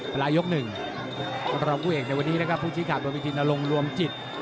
ประหลายยกหนึ่งรอบผู้เอกในวันนี้นะครับภูชิขาประวัติธินโรงรวมจิต